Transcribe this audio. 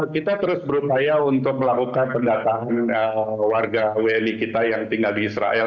kita terus berupaya untuk melakukan pendataan warga wni kita yang tinggal di israel